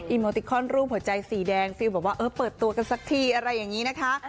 โมติคอนรูปหัวใจสีแดงฟิลบอกว่าเออเปิดตัวกันสักทีอะไรอย่างนี้นะคะ